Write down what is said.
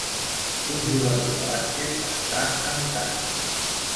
Un jugador de bàsquet està anotant.